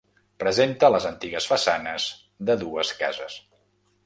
Presenta les antigues façanes de dues cases.